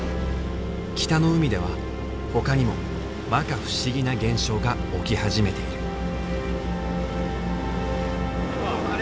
北の海ではほかにもまか不思議な現象が起き始めている。